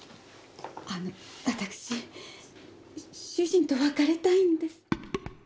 あの私主人と別れたいんです。